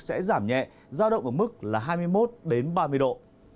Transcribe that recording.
sẽ giảm nhẹ giao động ở mức là hai mươi một đến ba mươi độ